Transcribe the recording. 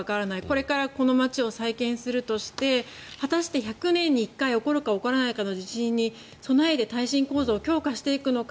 これからこの街を再建するとして果たして１００年に１回起こるか起こらないかの地震に備えて耐震構造を強化していくのか